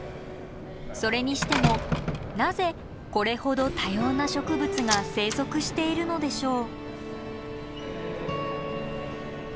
それにしてもなぜこれほど多様な植物が生息しているのでしょう？